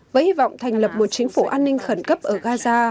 với hy vọng thành lập một chính phủ an ninh khẩn cấp ở gaza